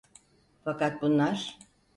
Fakat bunlar...